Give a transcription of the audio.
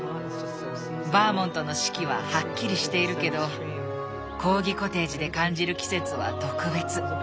バーモントの四季ははっきりしているけどコーギコテージで感じる季節は特別。